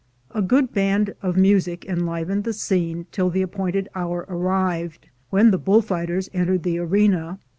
A good band of music enlivened the scene till the appointed hour arrived, when the bull fighters entered the arena.